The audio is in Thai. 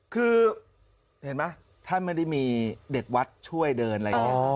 คือเห็นไหมท่านไม่ได้มีเด็กวัดช่วยเดินอะไรอย่างนี้